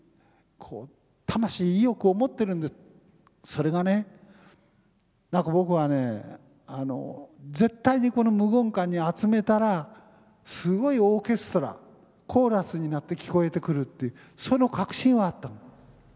それがね何か僕はね絶対にこの無言館に集めたらすごいオーケストラコーラスになって聴こえてくるっていうその確信はあったの。